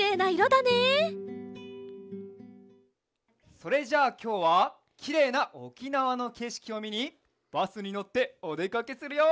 それじゃあきょうはきれいなおきなわのけしきをみにバスにのっておでかけするよ！